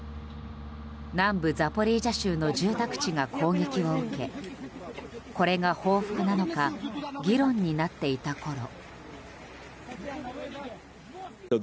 南部ザポリージャ州の住宅地が攻撃を受けこれが報復なのか議論になっていたころ。